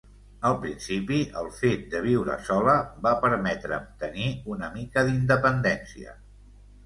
Al principi, el fet de viure sola va permetre'm tenir una mica d'independència.